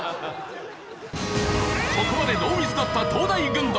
ここまでノーミスだった東大軍団。